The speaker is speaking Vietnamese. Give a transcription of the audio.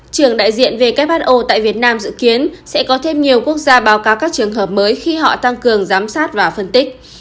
trưởng đại diện who tại việt nam dự kiến sẽ có thêm nhiều quốc gia báo cáo các trường hợp mới khi họ tăng cường giám sát và phân tích